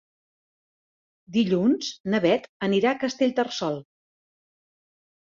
Dilluns na Beth anirà a Castellterçol.